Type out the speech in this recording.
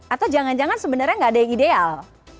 atau jangan jangan sebenarnya nggak ada yang ideal